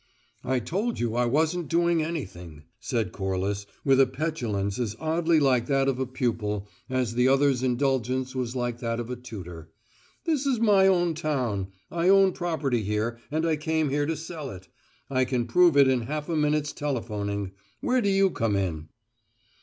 "I told you I wasn't doing anything," said Corliss with a petulance as oddly like that of a pupil as the other's indulgence was like that of a tutor. "This is my own town; I own property here, and I came here to sell it. I can prove it in half a minute's telephoning. Where do you come in?"